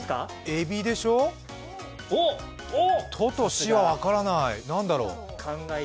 エビでしょう、トとシは分からない、何だろう。